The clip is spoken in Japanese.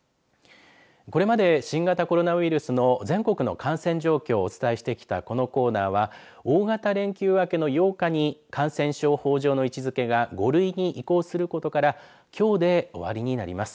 これまで新型コロナウイルスの全国の感染状況をお伝えしてきたこのコーナーは大型連休明けの８日に感染症法上の位置づけが５類に移行することからきょうで終わりになります。